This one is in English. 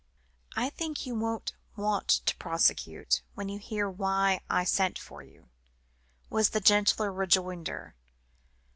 "I think you won't want to prosecute, when you hear why I sent for you," was the gentle rejoinder.